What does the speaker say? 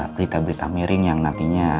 berita berita miring yang nantinya